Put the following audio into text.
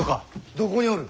どこにおる？